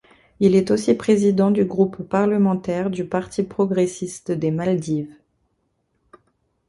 Il est aussi président du groupe parlementaire du Parti progressiste des Maldives.